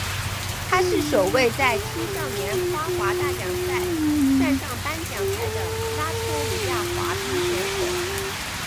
他是首位在青少年花滑大奖赛站上颁奖台的拉脱维亚滑冰选手。